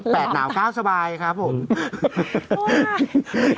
เปล็ดหนาวก้าวเฉบไปครับผม